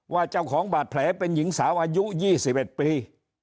ว่าเจ้าของบาดแผลเป็นหญิงสาวอายุ๒๑ปี